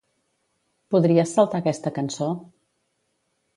Podries saltar aquesta cançó?